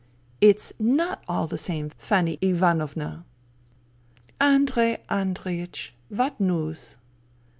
" It's not all the same, Fanny Ivanovna." " Andrei Andreiech ! What news